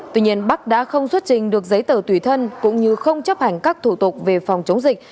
tuy nhiên bắc đã không xuất trình được giấy tờ tùy thân cũng như không chấp hành các thủ tục về phòng chống dịch